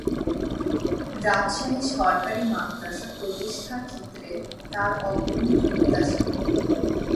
রাজশাহী সরকারী মাদ্রাসা প্রতিষ্ঠার ক্ষেত্রে তার অগ্রণী ভূমিকা ছিল।